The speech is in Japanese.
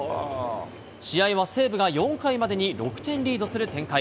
試合は西武が４回までに６点リードする展開。